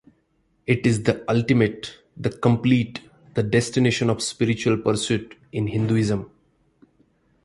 It is the ultimate, the complete, the destination of spiritual pursuit in Hinduism.